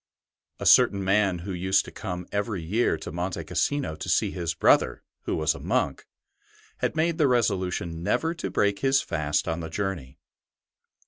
A certain man who used to come every year to Monte Cassino to see his brother, who was a monk, had made the resolution never to break his fast on the journey.